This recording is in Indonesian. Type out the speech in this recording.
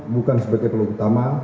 bukan sebagai peluang utama